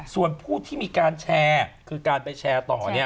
ส่วนผู้ที่มีการแชร์คือการไปแชร์ต่อ